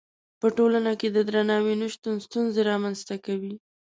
په ټولنه کې د درناوي نه شتون ستونزې رامنځته کوي.